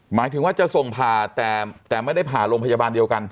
หมายถึงว่าจะส่งผ่าแต่ไม่ได้ผ่าโรงพยาบาลเดียวกัน